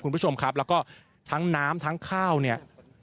คุณผู้ชมครับแล้วก็ทั้งน้ำทั้งข้าวเนี่ย